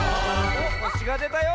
おっほしがでたよ！